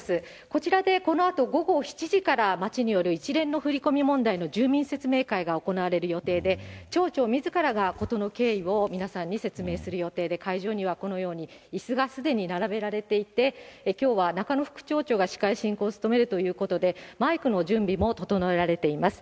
こちらで、このあと午後７時から町による一連の振り込み問題の住民説明会が行われる予定で、町長みずからが事の経緯を皆さんに説明する予定で、会場にはこのように、いすがすでに並べられていて、きょうは中野副町長が司会進行を務めるということで、マイクの準備も整えられています。